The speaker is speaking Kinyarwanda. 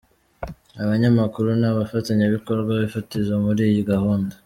abanyamakuru ni abafatanyabikorwa fatizo muri iyi gahunda.